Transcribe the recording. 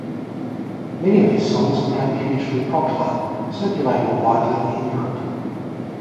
Many of his songs became hugely popular, circulating widely in Europe.